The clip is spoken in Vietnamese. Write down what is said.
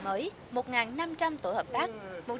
mới một năm trăm linh tổ hợp tác